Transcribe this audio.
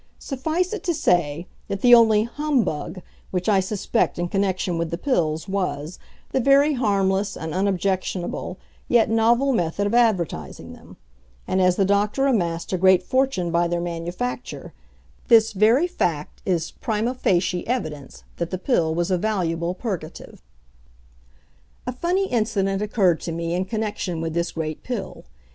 Suffice it to say, that the only "humbug" which I suspect in connection with the pills was, the very harmless and unobjectionable yet novel method of advertising them; and as the doctor amassed a great fortune by their manufacture, this very fact is prima facie evidence that the pill was a valuable purgative. A funny incident occurred to me in connection with this great pill.